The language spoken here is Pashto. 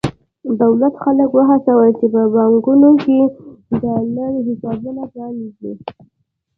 دولت خلک وهڅول چې په بانکونو کې ډالري حسابونه پرانېزي.